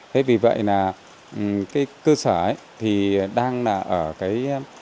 thế vì vậy là cái cơ sở ấy thì đang là ở cái